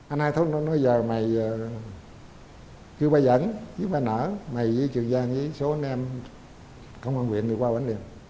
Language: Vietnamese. anh hai nói giờ mày kêu ba dẫn kêu ba nở mày với trường giang với số anh em công an huyện thì qua bển liền